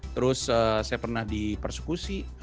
terus saya pernah di persekusi